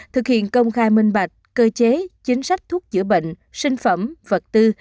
thực hiện công khai minh bạch cơ chế chính sách thuốc chữa bệnh sinh phẩm vật tư